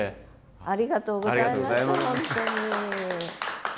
ありがとうございました本当に。